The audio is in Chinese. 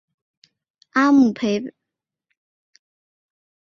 阿姆倍伽尔出生在今印度中央邦姆霍沃。